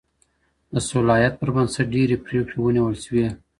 د صلاحيت پر بنسټ ډېري پريکړي ونيول سوې.